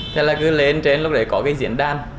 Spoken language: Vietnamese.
thế là cứ lên trên lúc đấy có cái diễn đàn